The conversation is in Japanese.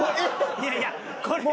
いやいやこれは。